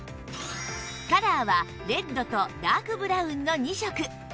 カラーはレッドとダークブラウンの２色